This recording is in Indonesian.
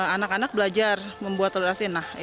anak anak belajar membuat telur asin